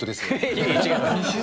いえ、違います。